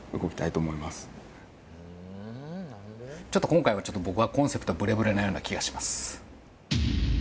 今回はちょっと僕はコンセプトがブレブレのような気がします